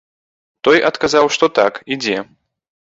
Той адказаў, што так, ідзе.